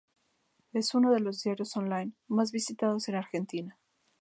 Es uno de los diarios on-line más visitados de Argentina.